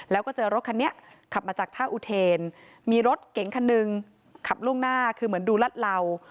แล้วก็เจอรถคันนี้ขับมาจากท่าอุเทนมีรถเก๋งคันหนึ่งขับล่วงหน้าคือเหมือนดูรัดเหล่า